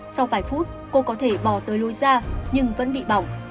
sau vài phút cô có thể bỏ tới lối ra nhưng vẫn bị bỏng